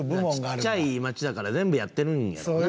ちっちゃい町だから全部やってるんやろうな。